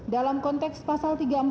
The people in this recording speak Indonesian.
dalam konteks pasal tiga ratus empat puluh